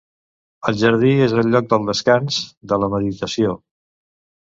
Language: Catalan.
El jardí és el lloc del descans, de la meditació.